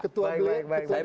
ketua dpw beliau